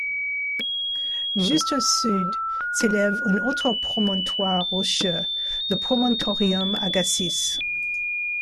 Juste au sud s'élève un autre promontoire rocheux, le Promontorium Agassiz.